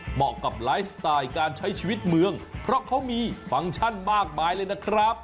เหมาะกับไลฟ์สไตล์การใช้ชีวิตเมืองเพราะเขามีฟังก์ชั่นมากมายเลยนะครับ